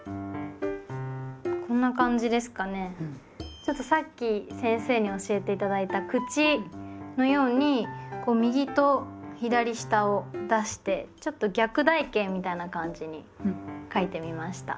ちょっとさっき先生に教えて頂いた「口」のように右と左下を出してちょっと逆台形みたいな感じに書いてみました。